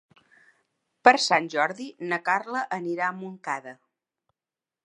Per Sant Jordi na Carla anirà a Montcada.